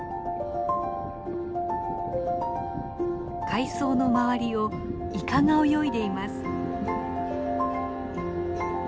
海藻の周りをイカが泳いでいます。